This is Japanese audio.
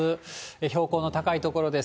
標高の高い所です。